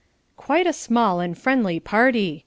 "Quite a small and friendly party!"